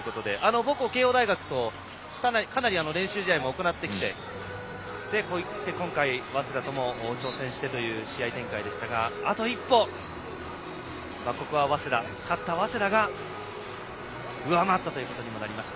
母校・慶応大学とかなり練習試合も行ってきて今回、早稲田にも挑戦してという試合展開でしたがあと一歩、ここは勝った早稲田が上回ったということになりました。